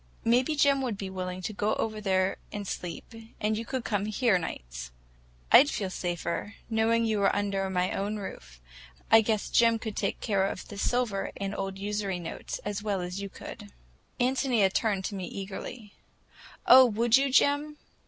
Maybe Jim would be willing to go over there and sleep, and you could come here nights. I'd feel safer, knowing you were under my own roof. I guess Jim could take care of their silver and old usury notes as well as you could." Ántonia turned to me eagerly. "Oh, would you, Jim?